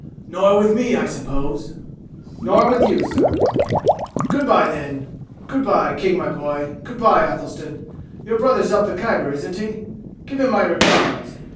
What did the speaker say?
"Nor with me, I suppose!" "Nor with you, sir. "Good by, then. Good by, King, my boy. Good by, Athelstan. Your brother's up the Khyber, isn't he? Give him my regards.